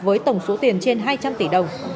với tổng số tiền trên hai trăm linh tỷ đồng